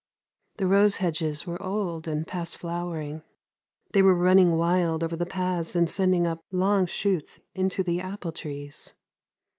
The rose hedges were old and past flowering. They were running wild over the paths and sending up long shoots into the apple trees.